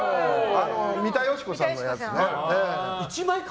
三田佳子さんのやつね。